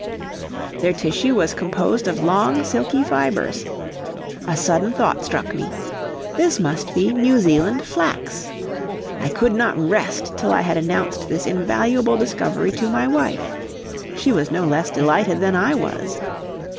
Their tissue was composed of long silky fibers. A sudden thought struck me this must be New Zealand flax. I could not rest till I had announced this invaluable discovery to my wife. She was no less delighted than I was.